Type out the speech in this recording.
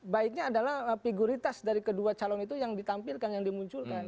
baiknya adalah figuritas dari kedua calon itu yang ditampilkan yang dimunculkan